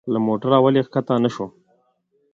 له موټره ولي کښته نه شو؟